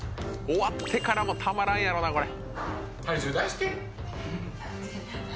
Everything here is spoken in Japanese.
終わってからもたまらんやろなこれ。